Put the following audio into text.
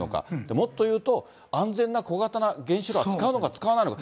もっと言うと、安全な小型の原子炉は使うのか、使わないのか。